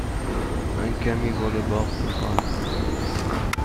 من کمی گل باغ می خواهم.